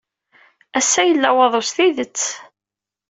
Ass-a yella waḍu s tidet.